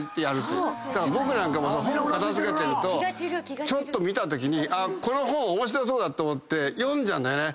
僕なんかも本片付けてるとちょっと見たときにこの本面白そうだと思って読んじゃうんだよね。